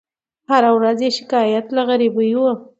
هره ورځ یې شکایت له غریبۍ وو